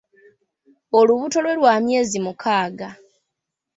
Olubuto lwe lwa myezi mukaaga.